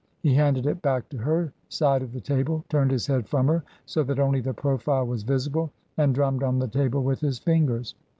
He handed it back to her side of the table, turned his head from her so that only the profile was visible, and drummed on the table with his fingers.